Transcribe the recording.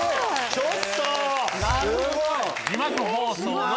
ちょっと！